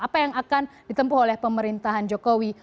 apa yang akan ditempuh oleh pemerintahan jokowi